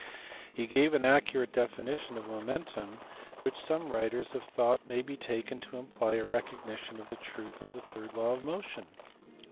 He gave an accurate definition of momentum which some writers have thought may be taken to imply a recognition of the truth of the third law of motion.